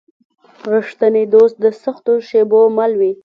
رښتینی دوست د سختو شېبو مل وي.